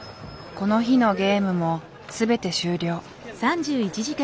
この日のゲームも全て終了。